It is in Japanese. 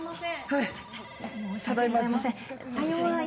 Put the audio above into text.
はい